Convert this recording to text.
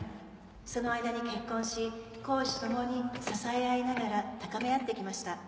その間に結婚し公私共に支え合いながら高め合ってきました。